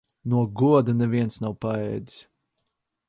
No goda neviens nav paēdis.